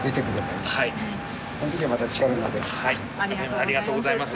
ありがとうございます。